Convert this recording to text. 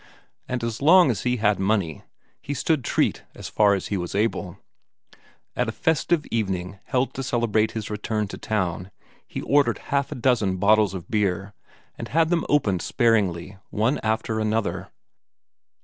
And as long as he had money, he stood treat as far as he was able; at a festive evening held to celebrate his return to town, he ordered half a dozen bottles of beer, and had them opened sparingly, one after another.